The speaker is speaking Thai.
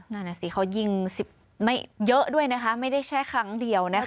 นั่นน่ะสิเขายิง๑๐ไม่เยอะด้วยนะคะไม่ได้แค่ครั้งเดียวนะคะ